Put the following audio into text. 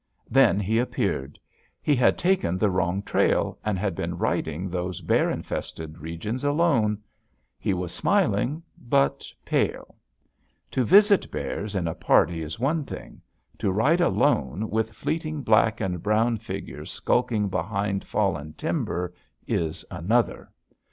Then he appeared. He had taken the wrong trail, and had been riding those bear infested regions alone. He was smiling, but pale. To visit bears in a party is one thing; to ride alone, with fleeting black and brown figures skulking behind fallen timber, is another.